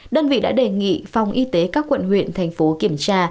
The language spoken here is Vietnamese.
đơn vị đã đề nghị phòng y tế các quận huyện thành phố kiểm tra